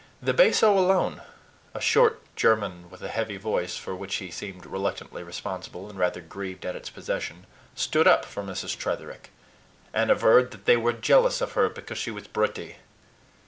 The basso alone a short German with a heavy voice, for which he seemed reluctantly responsible, and rather grieved at its possession stood up for Mrs. Tretherick, and averred that they were jealous of her because she was "bretty."